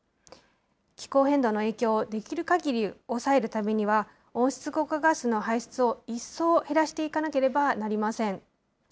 気候変動の影響をできるかぎり抑えるためには、温室効果ガスの排出を一層減らしていかなければなりません。